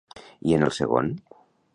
I en el segon?